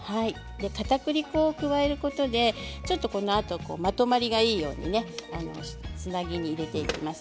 かたくり粉を加えることで粉とまとまりがいいようにつなぎに入れていきます。